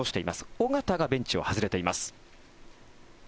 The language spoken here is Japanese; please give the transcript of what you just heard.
尾形がベンチを外れています。